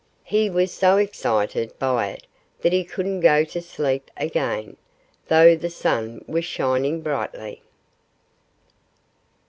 He was so excited by it that he couldn't go to sleep again, though the sun was shining brightly.